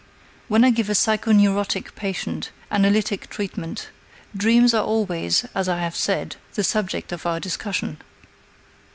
When I give a psychoneurotic patient analytical treatment, dreams are always, as I have said, the subject of our discussion.